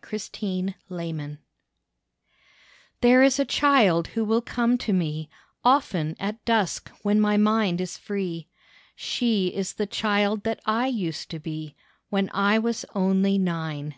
THE DREAM CHILD There is a child who will come to me, Often at dusk, when my mind is free. She is the child that I used to be, When I was only nine.